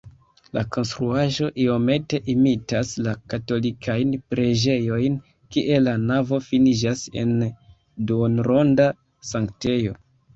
La konstruaĵo iomete imitas la katolikajn preĝejojn, kie la navo finiĝas en duonronda sanktejo.